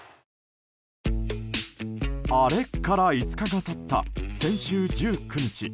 アレから５日が経った先週１９日。